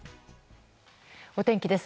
お天気です。